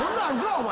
お前。